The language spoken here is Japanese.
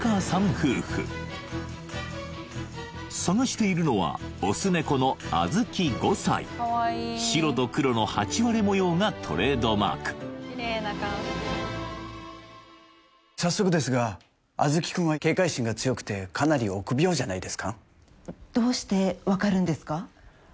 夫婦捜しているのは白と黒のハチワレ模様がトレードマーク早速ですがあずき君は警戒心が強くてかなり臆病じゃないですかどうして分かるんですか？